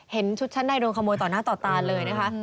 ชุดชั้นในโดนขโมยต่อหน้าต่อตาเลยนะคะ